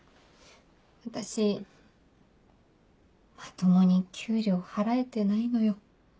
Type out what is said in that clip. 私まともに給料払えてないのよ。